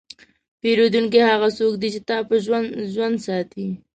پیرودونکی هغه څوک دی چې تا په ژوند ساتي.